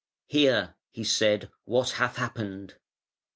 "Hear", he said, "what hath happened.